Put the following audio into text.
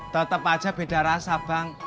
tetap aja beda rasa bang